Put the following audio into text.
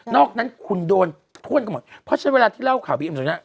อกนั้นคุณโดนถ้วนกันหมดเพราะฉะนั้นเวลาที่เล่าข่าวบีอำนวยน่ะ